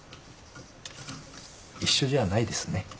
一緒じゃないですね。